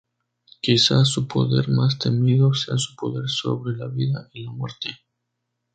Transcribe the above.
Quizás su poder más temido sea su poder sobre la vida y la muerte.